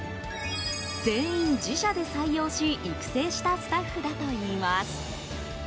全員、自社で採用し育成したスタッフだといいます。